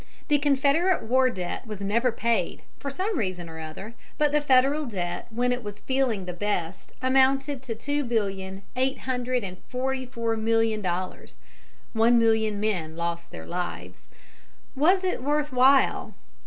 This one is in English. The Confederate war debt was never paid, for some reason or other, but the Federal debt when it was feeling the best amounted to two billion eight hundred and forty four million dollars. One million men lost their lives. Was it worth while?